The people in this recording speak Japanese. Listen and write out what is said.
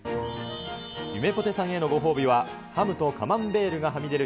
ゆめぽてさんへのご褒美は、ハムとカマンベールがはみ出る